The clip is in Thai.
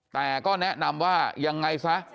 แต่ก็แนะนำว่ายังไงซะ